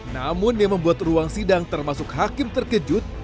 namun yang membuat ruang sidang termasuk hakim terkejut